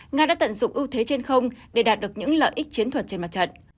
nga đã tận dụng ưu thế trên không để đạt được những lợi ích chiến thuật trên mặt trận